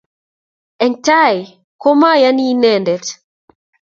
Eng tai komaiyani inendet